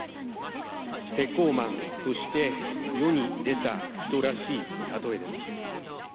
鉄鋼マンとして世に出た人らしい例えです。